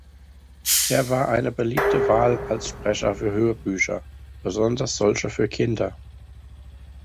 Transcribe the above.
Er war eine beliebte Wahl als Sprecher für Hörbücher, besonders solche für Kinder.